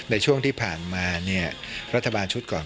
ในช่วงที่ผ่านมาเนี่ยรัฐบาลชุดก่อน